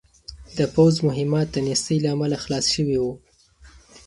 د پوځ مهمات د نېستۍ له امله خلاص شوي وو.